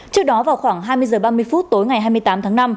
trước đó vào khoảng hai mươi h ba mươi phút tối ngày hai mươi tám tháng năm